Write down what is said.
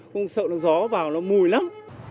không sợ gió vào nó mùi lắm